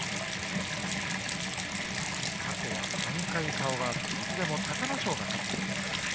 過去は３回顔が合っていずれも隆の勝が勝っています。